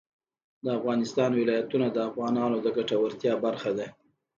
د افغانستان ولايتونه د افغانانو د ګټورتیا برخه ده.